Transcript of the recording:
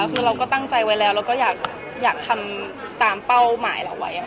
คือเราก็ตั้งใจไว้แล้วแล้วก็อยากทำตามเป้าหมายเราไว้